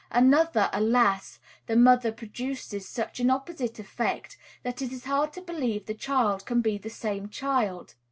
Another, alas! the mother, produces such an opposite effect that it is hard to believe the child can be the same child.